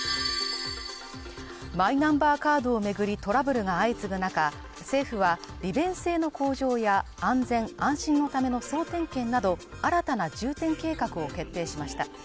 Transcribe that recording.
マイナンバーカードを巡りトラブルが相次ぐ中政府は利便性の向上や安全安心のための総点検など、新たな重点計画を決定しました。